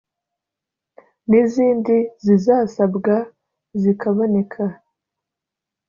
n’izindi zizasabwa zikaboneka